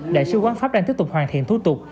đại sứ quán pháp đang tiếp tục hoàn thiện thủ tục